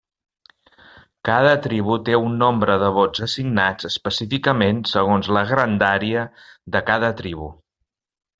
Cada tribu té un nombre de vots assignats específicament segons la grandària de cada tribu.